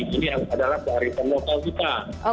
ini adalah dari pengokal kita